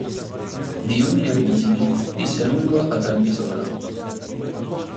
Di umili origini visse a lungo ad Albisola.